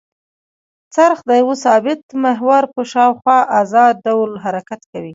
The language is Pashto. څرخ د یوه ثابت محور په شاوخوا ازاد ډول حرکت کوي.